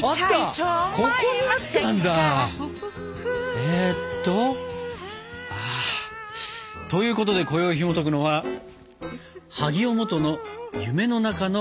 えっと。ということでこよいひもとくのは萩尾望都の「夢の中の歌」。